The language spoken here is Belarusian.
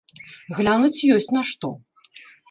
Глянуць ёсць на што.